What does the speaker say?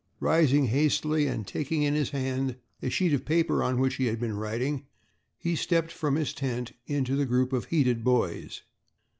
Rising hastily and taking in his hand a sheet of paper on which he had been writing, he stepped from his tent into the group of heated boys.